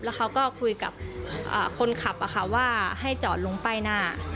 แล้วเขาก็คุยกับคนขับอะค่ะว่าให้จอดลงไปหน้า